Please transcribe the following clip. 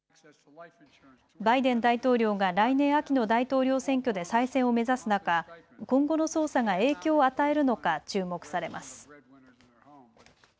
バイデン大統領が来年秋の大統領選挙で再選を目指す中、今後の捜査が影響を与えるのか注目されます。